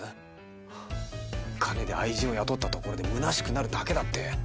金で愛人を雇ったところでむなしくなるだけだって。